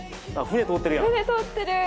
船通ってる。